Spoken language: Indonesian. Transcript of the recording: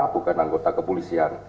bukan anggota kepolisian